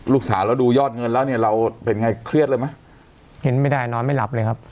ลูกสาวเราดูยอดเงินแล้วเนี่ยเราเป็นไงเครียดเลยไหมเห็นไม่ได้นอนไม่หลับเลยครับ